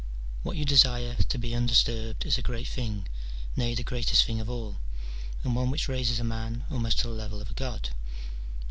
What you desire, to be undisturbed, is a great thing, nay, the greatest thing of all, and one which raises a man almost to the level of a god.